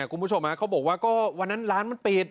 คุณผู้ชมเขาบอกว่าก็วันนั้นร้านมันปิด